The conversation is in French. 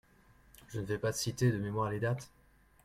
Je ne vais pas citer de mémoire les dates